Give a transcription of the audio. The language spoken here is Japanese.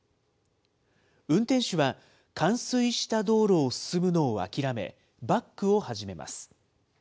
運転手は冠水した道路を進むのを諦め、バックを始めます。